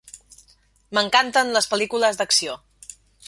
M'encanten les pel·lícules d'acció.